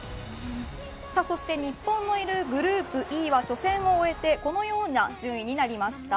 そして日本のいるグループＥは初戦を終えてこのような順位になりました。